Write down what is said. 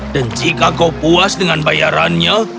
dan jika kau puas dengan nyanyianmu